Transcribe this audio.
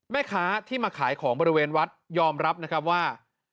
แม่ค้าที่มาขายของบริเวณวัดยอมรับนะครับว่า